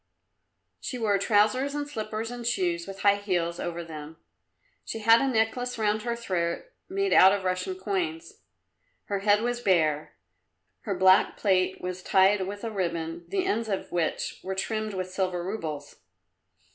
She wore trousers and slippers and shoes with high heels over them; she had a necklace round her throat made out of Russian coins. Her head was bare. Her black plait was tied with a ribbon, the ends of which were trimmed with silver roubles.